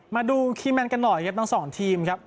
มาดูคีย์แมนกันหน่อยครับทั้งสองทีมครับ